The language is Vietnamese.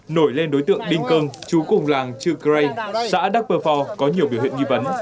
nổi lên đối tượng đinh cơn chú cùng làng trư cray xã đắc vơ phò có nhiều biểu hiện nghi vấn